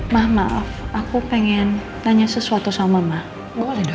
mama aku pengen tanya sesuatu sama ma boleh dong